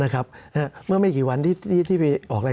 สำหรับกำลังการผลิตหน้ากากอนามัย